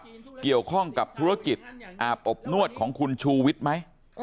มันเกี่ยวข้องกับธุรกิจอาบอบนวดของคุณชูวิทย์ไหม